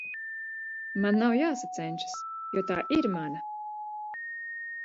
Man nav jāsacenšas, jo tā ir mana!